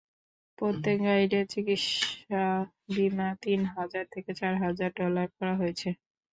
প্রত্যেক গাইডের চিকিৎসাবিমা তিন হাজার থেকে চার হাজার ডলার করা হয়েছে।